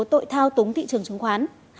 tội thao túng thị trường chứng khoán